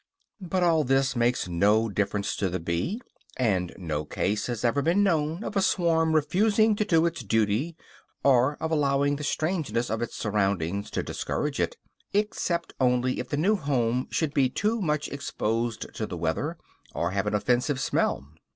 But all this makes no difference to the bee; and no case has ever been known of a swarm refusing to do its duty, or of allowing the strangeness of its surroundings to discourage it except only if the new home should be too much exposed to the weather, or have an offensive smell.